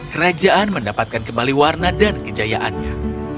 kerajaan mendapatkan kembali warna dan kejayaannya